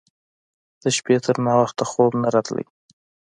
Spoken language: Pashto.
د شپې تر ناوخته خوب نه راته.